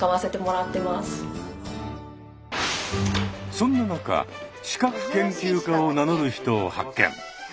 そんな中資格研究家を名乗る人を発見。